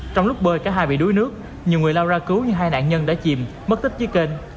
trong lúc bơi cả hai bị đuối nước nhiều người lao ra cứu nhưng hai nạn nhân đã chìm mất tích dưới kênh